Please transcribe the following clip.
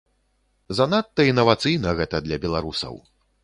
Занадта інавацыйна гэта для беларусаў.